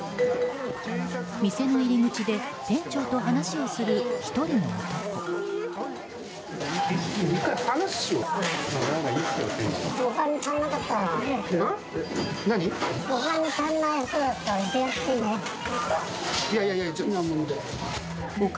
店の入り口で店長と話をする１人のお客。